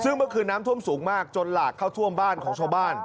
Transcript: ซึ่งเมื่อคืนน้ำท่วมสูงมากจนหลากเข้าท่วมบ้านของชาวบ้าน